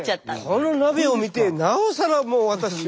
この鍋を見てなおさらもう私は。